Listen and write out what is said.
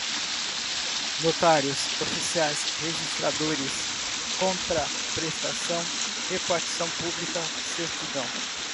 notários, oficiais registradores, contraprestação, repartição pública, certidão